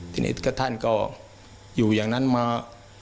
ทีนี้ท่านก็อยู่อย่างนั้นมา